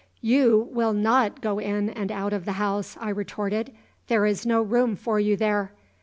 "You will not go in and out of the house," I retorted. "There is no room for you there.